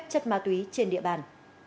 trái phép chất ma túy trên địa bàn